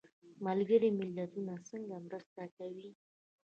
ملګري ملتونه څنګه مرسته کوي؟